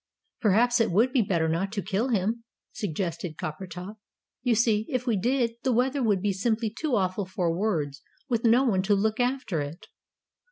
"Perhaps it would be better not to kill him," suggested Coppertop. "You see, if we did, the weather would be simply too awful for words, with no one to look after it."